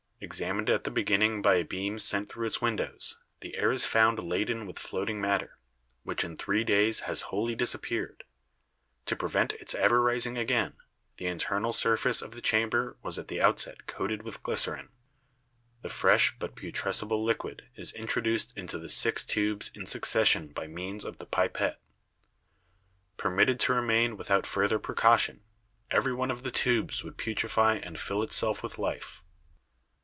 Examined at the beginning by a beam sent through its windows, the air is found laden with floating matter, which in three days has wholly disap peared. To prevent its ever rising again, the internal sur face of the chamber was at the outset coated with glycerine. The fresh but putrescible liquid is introduced into the six tubes in succession by means of the pipette. Permitted to remain without further precaution, every one of the tubes would putrefy and fill itself with life.